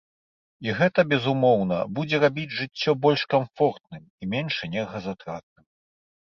І гэта, безумоўна, будзе рабіць жыццё больш камфортным і менш энергазатратным.